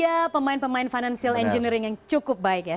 ya pemain pemain financial engineering yang cukup baik ya